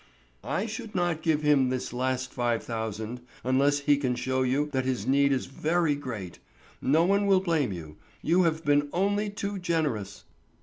"I should not give him this last five thousand, unless he can show you that his need is very great. No one will blame you; you have been only too generous."